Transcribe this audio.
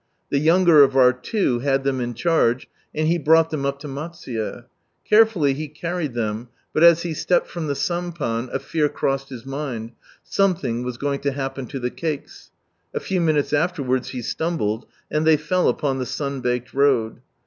The younger of our "Two" had them in charge, and he brought them up to Matsuye, Carefully he carried them, but as he stepped from the sampan a fear crossed his mind — some thing was going to happen to the cakes. A few minutes afterwards he stumbled, and they fell upon the sun baked road.